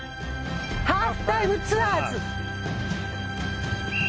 『ハーフタイムツアーズ』。